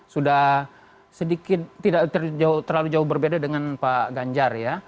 sudah sedikit tidak terlalu jauh berbeda dengan pak ganjar ya